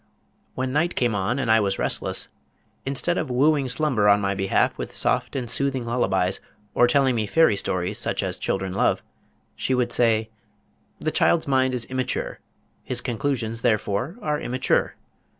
When night came on and I was restless instead of wooing slumber on my behalf with soft and soothing lullabies, or telling me fairy stories such as children love, she would say: _The child's mind is immature. His conclusions, therefore, are immature.